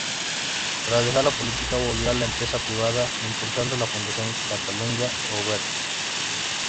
Tras dejar la política volvió a la empresa privada, impulsando la Fundació Catalunya Oberta.